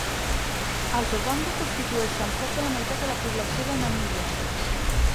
Els ovambo constitueixen prop de la meitat de la població de Namíbia.